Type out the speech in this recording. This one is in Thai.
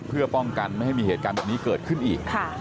เพื่อป้องกันไม่ให้มีเหตุการณ์แบบนี้เกิดขึ้นอีก